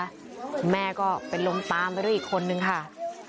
คุณแม่ก็เป็นลมตามไปด้วยอีกคนนึงค่ะ